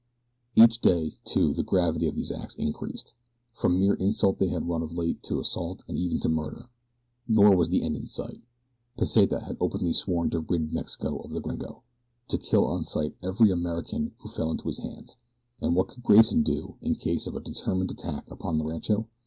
Each day, too, the gravity of these acts increased. From mere insult they had run of late to assault and even to murder. Nor was the end in sight. Pesita had openly sworn to rid Mexico of the gringo to kill on sight every American who fell into his hands. And what could Grayson do in case of a determined attack upon the rancho?